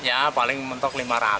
ya paling mentok lima ratus